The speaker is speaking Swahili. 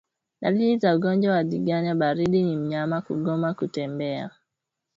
Dalili za ugonjwa wa ndigana baridi ni mnyama kugoma kutembea